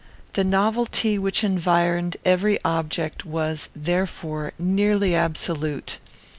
The novelty which environed every object was, therefore, nearly absolute.